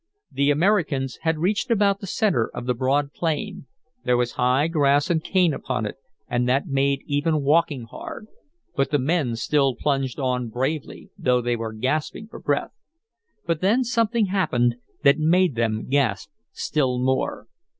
The Americans had reached about the centre of the broad plain. There was high grass and cane upon it, and that made even walking hard. But the men still plunged on bravely, though they were gasping for breath. But then something happened that made them gasp still more.